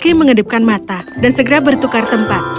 kaki mengedipkan mata dan segera bertukar tempat